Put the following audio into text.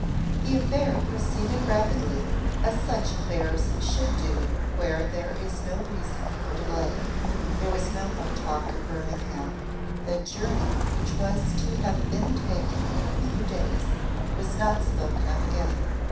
The affair proceeded rapidly, as such affairs should do where there is no reason for delay. There was no more talk of Birmingham. The journey which was to have been taken in a few days was not spoken of again.